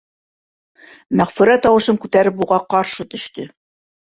Мәғфүрә тауышын күтәреп уға ҡаршы төштө: